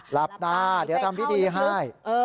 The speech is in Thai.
หลับตาเดี๋ยวทำพิธีให้